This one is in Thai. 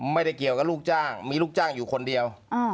ไม่ได้เกี่ยวกับลูกจ้างมีลูกจ้างอยู่คนเดียว